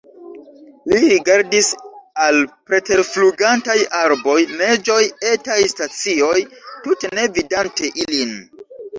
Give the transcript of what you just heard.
Li rigardis al preterflugantaj arboj, neĝoj, etaj stacioj, tute ne vidante ilin.